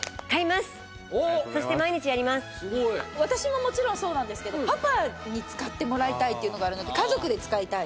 私ももちろんそうなんですけどパパに使ってもらいたいっていうのがあるので家族で使いたい！